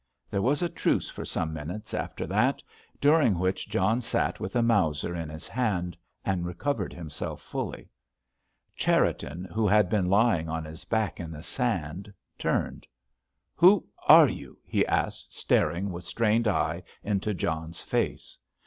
There was a truce for some minutes after that, during which John sat with a Mauser in his hand, and recovered himself fully. Cherriton, who had been lying on his back in the sand, turned. "Who are you?" he asked, staring with strained eyes into John's face.